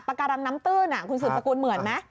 การังน้ำตื้นคุณสืบสกุลเหมือนไหม